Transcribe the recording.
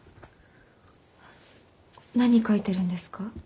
何書いてるんですか？